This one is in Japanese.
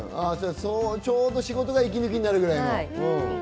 ちょうど仕事が息抜きになるぐらいのね。